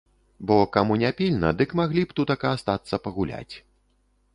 Бо каму не пільна, дык маглі б тутака астацца пагуляць.